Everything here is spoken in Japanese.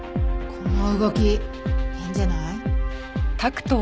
この動き変じゃない？